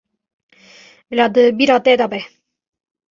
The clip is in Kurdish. Bila di bîra te de be.